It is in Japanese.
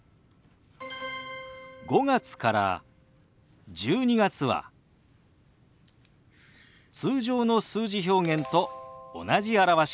５月から１２月は通常の数字表現と同じ表し方です。